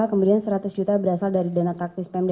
kemudian seratus juta berasal dari dana taktis pemda